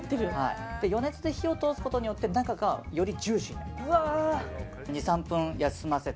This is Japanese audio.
余熱で火を通すことによって中がよりジューシーになります。